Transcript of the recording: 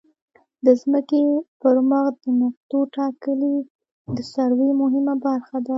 د ځمکې پر مخ د نقطو ټاکل د سروې مهمه برخه ده